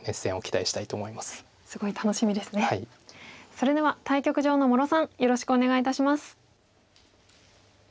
それでは対局場の茂呂さんよろしくお願いいたします。